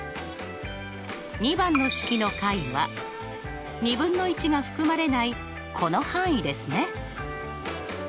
２番の式の解はが含まれないこの範囲ですね。